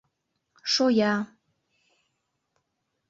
Шоя...